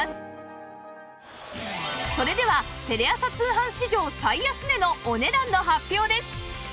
それではテレ朝通販史上最安値のお値段の発表です